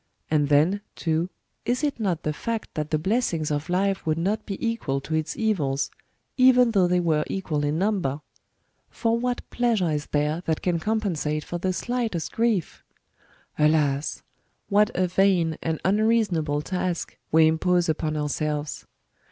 And then, too, is it not the fact that the blessings of life would not be equal to its evils, even though they were equal in number ? For what pleasure is there that can compensate for the slightest gi'ief ? Alas ! what a vain and unreasonable task we impose upon ourselves!